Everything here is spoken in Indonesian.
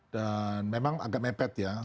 dan memang agak mepet ya